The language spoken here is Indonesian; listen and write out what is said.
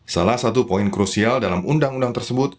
salah satu poin krusial dalam undang undang tersebut